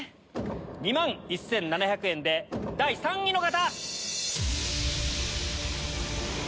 ２万１７００円で第３位の方！